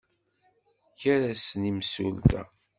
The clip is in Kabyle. Ɣer-asen i yemsulta!